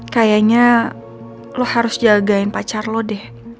kayaknya lo harus jagain pacar lo deh